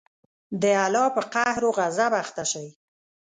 د الله په قهر او غصب اخته شئ.